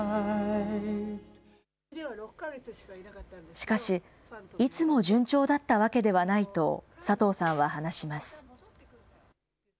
しかし、いつも順調だったわけではないと、佐藤さんは話します。